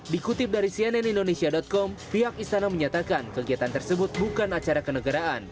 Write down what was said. dikutip dari cnn indonesia com pihak istana menyatakan kegiatan tersebut bukan acara kenegaraan